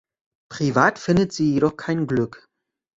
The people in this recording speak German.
Privat findet sie jedoch kein Glück.